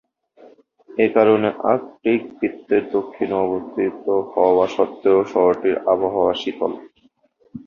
এ কারণে আর্কটিক বৃত্তের দক্ষিণে অবস্থিত হওয়া সত্ত্বেও শহরটির আবহাওয়া শীতল।